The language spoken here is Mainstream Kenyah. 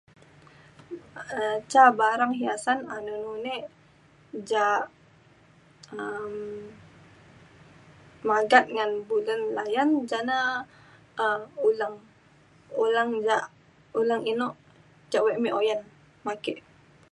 um ca barang hiasan anun nu e ja um magat ngan bulen layan. ja na um uleng. uleng le uleng eno ca wek me uyan me ake